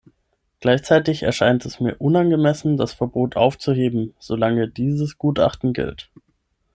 Gleichzeitig erscheint es mir unangemessen, das Verbot aufzuheben, solange dieses Gutachten gilt.